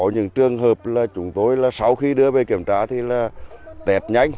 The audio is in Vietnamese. những trường hợp là chúng tôi là sau khi đưa về kiểm tra thì là tẹt nhanh